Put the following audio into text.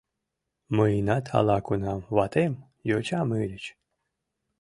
— Мыйынат ала-кунам ватем, йочам ыльыч...